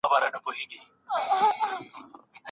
چي یې نه غواړې هغه به در پېښېږي